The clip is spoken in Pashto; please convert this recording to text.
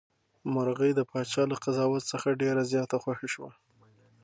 مرغۍ د پاچا له قضاوت څخه ډېره زیاته خوښه شوه.